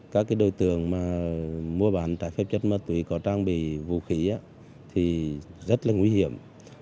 các đối tượng mua bán trái phép chất ma túy có trang bị vũ khí thì rất là nguy hiểm